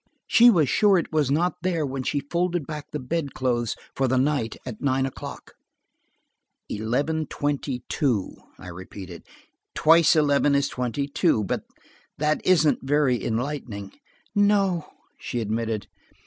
She was sure it was not there when she folded back the bed clothes for the night at nine o'clock." "Eleven twenty two," I repeated. "Twice eleven is twenty two. But that isn't very enlightening." "No," she admitted.